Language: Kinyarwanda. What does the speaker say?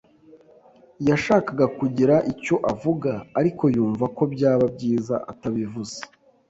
yashakaga kugira icyo avuga, ariko yumva ko byaba byiza atabivuze.